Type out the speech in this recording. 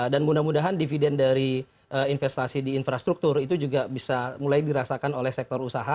dan mudah mudahan dividen dari investasi di infrastruktur itu juga bisa mulai dirasakan oleh sektor usaha